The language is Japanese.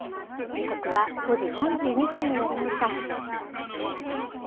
時刻は５時３２分になりました。